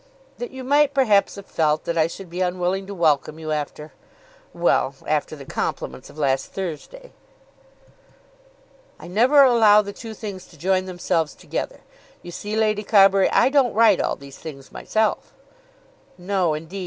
"That you might perhaps have felt that I should be unwilling to welcome you after, well, after the compliments of last Thursday." "I never allow the two things to join themselves together. You see, Lady Carbury, I don't write all these things myself." "No indeed.